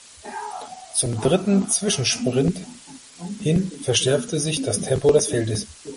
Zum dritten Zwischensprint hin verschärfte sich das Tempo des Feldes.